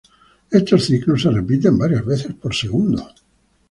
Estos ciclos se repiten varias veces por segundo.